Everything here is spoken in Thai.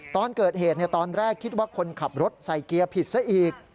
ตอนเกิดเหตุตอนแรกคิดว่าคนขับรถใส่เกียร์ผิดซะอีก